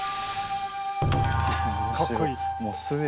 かっこいい。